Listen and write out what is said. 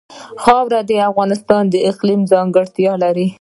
خاوره د افغانستان د اقلیم ځانګړتیا ده.